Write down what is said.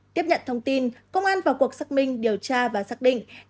tiếp nhận thông tin công an vào cuộc xác minh điều tra và xác định